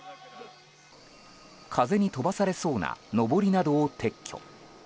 風に飛ばされそうなのぼりなどを撤去。